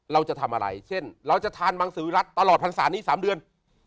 เราจะทำอะไรเช่นเราจะทานมังสือวิรัติตลอดพรรษานี้๓เดือน